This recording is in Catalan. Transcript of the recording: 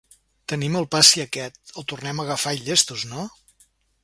Tenim el passi aquest, el tornem a agafar i llestos, no?